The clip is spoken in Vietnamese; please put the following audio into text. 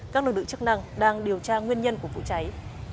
các lực lượng chức năng đang điều tra nguyên nhân của vụ cháy